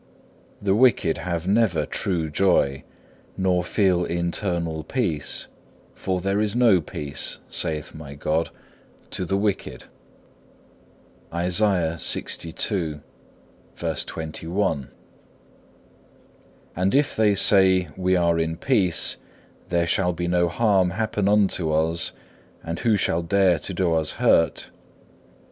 The wicked have never true joy, nor feel internal peace, for there is no peace, saith my God, to the wicked.(1) And if they say "we are in peace, there shall no harm happen unto us, and who shall dare to do us hurt?"